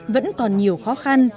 vẫn còn nhiều khó khăn